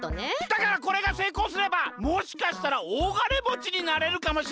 だからこれがせいこうすればもしかしたらおおがねもちになれるかもしれないわけ。